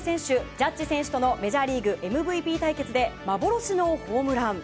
ジャッジ選手とのメジャーリーグＭＶＰ対決で幻のホームラン。